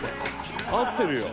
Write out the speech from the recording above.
合ってるよ」